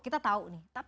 kita tahu nih